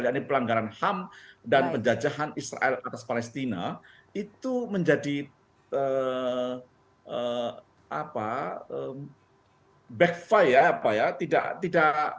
yaitu pelanggaran ham dan penjajahan israel atas palestina itu menjadi backfire tidak maju